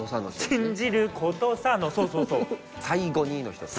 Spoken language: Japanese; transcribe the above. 「信じることさ」のそうそうそう。